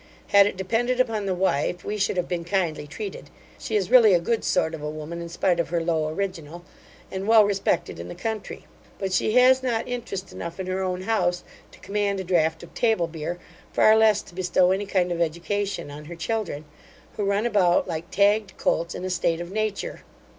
Had it depended upon the wife, we should have been kindly treated. She is really a good sort of a woman, in spite of her low original, and well respected in the country; but she has not interest enough in her own house to command a draught of table beer, far less to bestow any kind of education on her children, who run about, like tagged colts, in a state of nature.